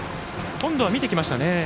今度は清原、見てきました。